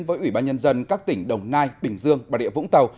với ủy ban nhân dân các tỉnh đồng nai bình dương bà rịa vũng tàu